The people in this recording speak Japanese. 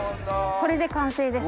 これで完成です。